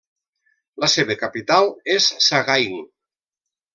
La seva capital és Sagaing.